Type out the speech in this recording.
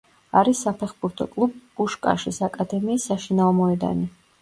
არის საფეხბურთო კლუბ „პუშკაშის აკადემიის“ საშინაო მოედანი.